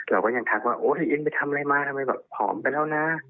เราก็ยังทักว่าโอ๊ยอินไปทำอะไรมาทำไมแบบผอมไปแล้วนะ